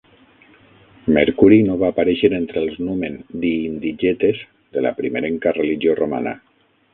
Mercuri no va aparèixer entre els numen "di indigetes" de la primerenca religió romana.